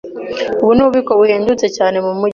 Ubu ni ububiko buhendutse cyane mumujyi.